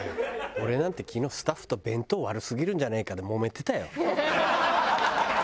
俺なんて昨日スタッフと「弁当悪すぎるんじゃねえか」でもめてたよ。